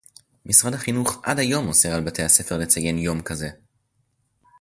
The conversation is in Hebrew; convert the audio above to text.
משרד החינוך עד היום אוסר על בתי-הספר לציין יום כזה